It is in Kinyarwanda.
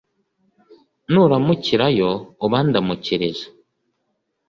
ni uramukirayo ubandamukirize